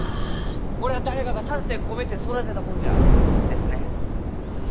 こりゃ誰かが丹精込めて育てたもんじゃ。ですね。